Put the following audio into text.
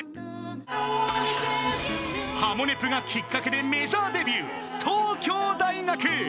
［『ハモネプ』がきっかけでメジャーデビュー］